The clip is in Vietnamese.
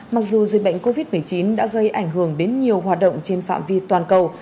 mặc dù dịch bệnh covid một mươi chín đã gây ảnh hưởng đến nhiều hoạt động trên phạm vi toàn cầu